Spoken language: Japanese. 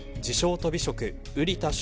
とび職瓜田翔